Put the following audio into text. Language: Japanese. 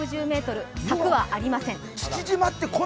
２６０ｍ、柵はありません。